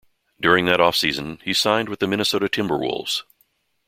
During that offseason, he signed with the Minnesota Timberwolves.